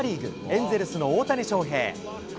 エンゼルスの大谷翔平。